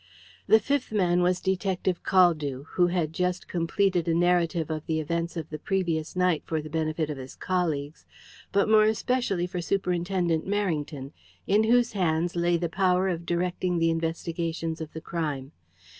The fifth man was Detective Caldew, who had just completed a narrative of the events of the previous night for the benefit of his colleagues, but more especially for Superintendent Merrington, in whose hands lay the power of directing the investigations of the crime.